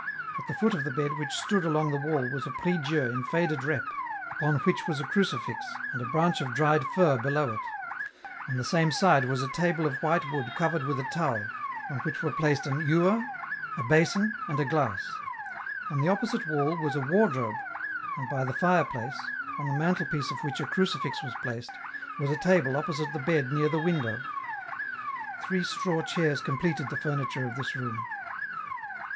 At the foot of the bed which stood along the wall was a prie Dieu in faded rep, upon which was a crucifix, and a branch of dried fir below it ; on the same side was a table of white wood covered with a towel, on which were placed an ewer, a basin, and a glass. On the opposite wall was a wardrobe, and by the fireplace, on the mantelpiece of which a crucifix was placed, was a table opposite the bed near the window ; three straw chairs completed the furni ture of this room.